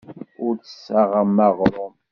Ur d-tessaɣem aɣrum.